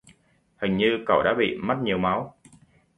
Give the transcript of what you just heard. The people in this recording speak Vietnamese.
Hình như cậu đã bị mất nhiều máu